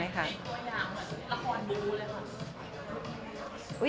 แอฟเป็นตัวอย่างหรือละครดูเลยค่ะ